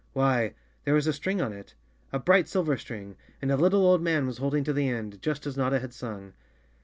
Why, there was a string on it, a bright silver string, and a little, old man was holding to the end, just as Notta had sung!